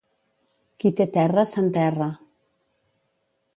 Qui té terra s'enterra.